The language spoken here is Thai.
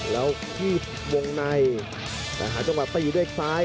แล้วที่วงในแต่หาจังหวะตีด้วยซ้าย